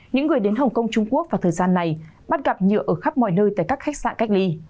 những người đến hồng kông trung quốc vào thời gian này bắt gặp nhựa ở khắp mọi nơi tại các khách sạn cách ly